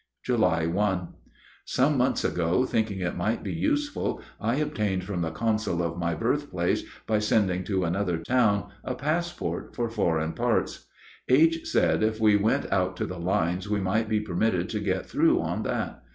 July 1. Some months ago, thinking it might be useful, I obtained from the consul of my birthplace, by sending to another town, a passport for foreign parts. H. said if we went out to the lines we might be permitted to get through on that.